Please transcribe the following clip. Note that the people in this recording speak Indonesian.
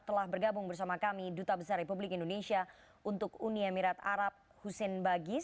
telah bergabung bersama kami duta besar republik indonesia untuk uni emirat arab hussein bagis